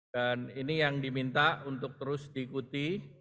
dan ini yang diminta untuk terus diikuti